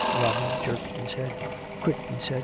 Robin jerked his head. "Quick!" he said.